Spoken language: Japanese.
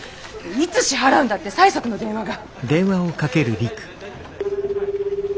いつ支払うんだって催促の電話が。